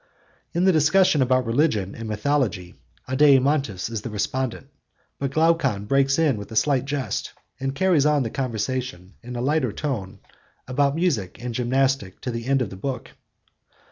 In the discussion about religion and mythology, Adeimantus is the respondent, but Glaucon breaks in with a slight jest, and carries on the conversation in a lighter tone about music and gymnastic to the end of the book.